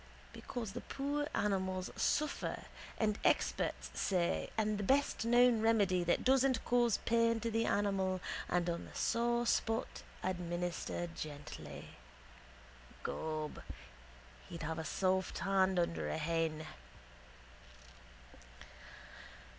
Because the poor animals suffer and experts say and the best known remedy that doesn't cause pain to the animal and on the sore spot administer gently. Gob, he'd have a soft hand under a hen.